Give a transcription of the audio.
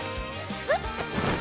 えっ？